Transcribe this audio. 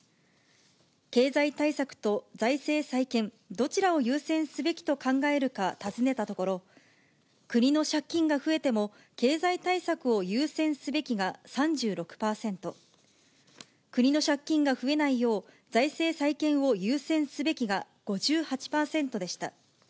経済対策と財政再建、どちらを優先すべきと考えるか尋ねたところ、国の借金が増えても経済対策を優先すべきが３６％、国の借金が増えないよう財政再建を優先すべきが５８％でした。